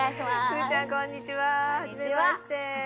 すずちゃん、こんにちは。初めまして。